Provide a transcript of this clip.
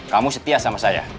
kamu setia sama saya